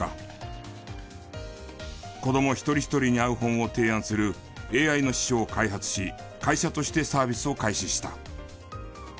子ども一人一人に合う本を提案するＡＩの司書を開発し会社としてサービスを開始した。